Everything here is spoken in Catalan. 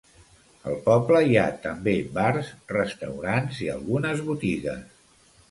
Al poble hi ha també bars, restaurants i algunes botigues.